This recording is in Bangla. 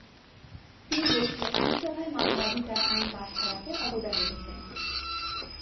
তিনি দেশটির আইনসভায় মানবাধিকার আইন পাস করাতে অবদান রেখেছেন।